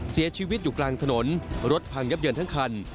เสียชีวิตอยู่กลางถนนรถพังยับเยินทั้งคัน